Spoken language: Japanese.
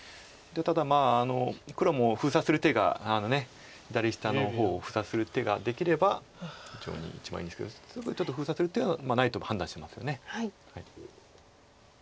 ただまあ黒も封鎖する手が左下の方を封鎖する手ができれば非常に一番いいんですけどすぐちょっと封鎖する手はないと判断してますよね。